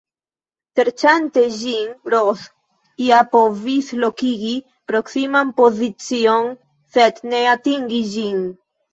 Serĉante ĝin, Ross ja povis lokigi proksiman pozicion, sed ne atingi ĝin.